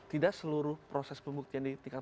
tidak seluruh proses pembuktian di tingkat